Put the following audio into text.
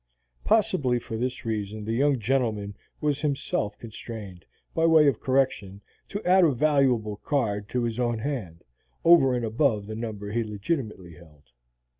Possibly for this reason the young gentleman was himself constrained, by way of correction, to add a valuable card to his own hand, over and above the number he legitimately held.